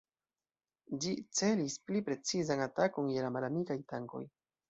Ĝi celis pli precizan atakon je la malamikaj tankoj.